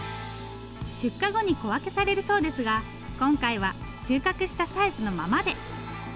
出荷後に小分けされるそうですが今回は収穫したサイズのままで。